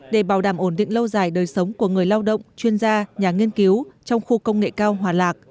để bảo đảm ổn định lâu dài đời sống của người lao động chuyên gia nhà nghiên cứu trong khu công nghệ cao hòa lạc